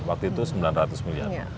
waktu itu sembilan ratus miliar